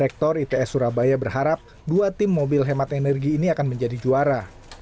rektor its surabaya berharap dua tim mobil hemat energi ini akan menjadi juara